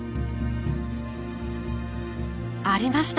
ありました！